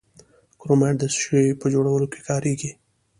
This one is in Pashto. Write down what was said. کرومایټ د څه شي په جوړولو کې کاریږي؟